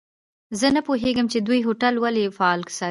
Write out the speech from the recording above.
زه نه پوهیږم چي دوی هوټل ولي فعال ساتلی.